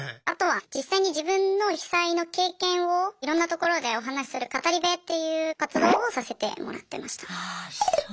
あとは実際に自分の被災の経験をいろんなところでお話しする語り部っていう活動をさせてもらってました。